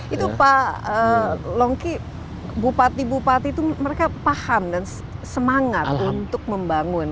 itu pak longki bupati bupati itu mereka paham dan semangat untuk membangun